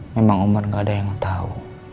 memang umat gak ada yang tahu